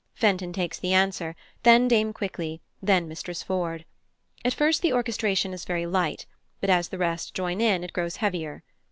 Fenton takes the answer, then Dame Quickly, then Mistress Ford. At first the orchestration is very light, but as the rest join in it grows heavier.